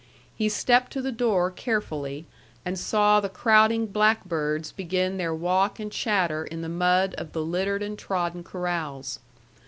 He stepped to the door carefully, and saw the crowding blackbirds begin their walk and chatter in the mud of the littered and trodden corrals.